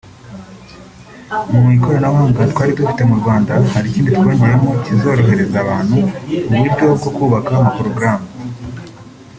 Mu ikoranabuhanga twari dufite mu Rwanda hari ikindi twongeyemo kizorohereza abantu uburyo bwo kubaka amaporogaramu